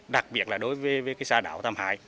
đặc biệt là đối với xã đảo tam hải